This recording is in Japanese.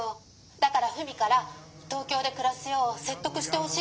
だからフミから東京でくらすようせっとくしてほしいの。